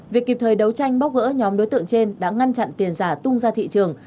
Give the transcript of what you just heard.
việc kịp thời đấu tranh bóc gỡ nhóm đối tượng trên đã ngăn chặn tiền giả tung ra thị trường